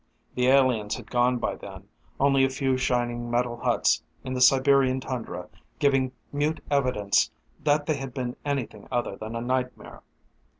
The aliens had gone by then, only a few shining metal huts in the Siberian tundra giving mute evidence that they had been anything other than a nightmare.